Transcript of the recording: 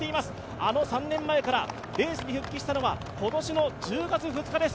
あの３年前からレースに復帰したのは今年の１０月２日です。